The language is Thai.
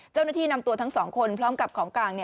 เจ้าหน้าที่นำตัวทั้งสองคนพร้อมกับของกลาง